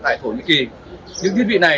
tại hồ nguyễn kỳ những thiết bị này